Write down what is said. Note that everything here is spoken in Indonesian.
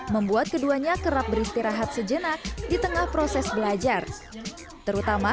membuat keduanya kerap beristirahat sejenak di tengah proses belajar terutama